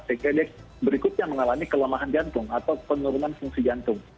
sehingga dia berikutnya mengalami kelemahan jantung atau penurunan fungsi jantung